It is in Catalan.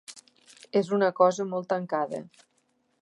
És una cosa molt tancada.